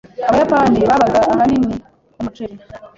Abayapani babaga ahanini kumuceri.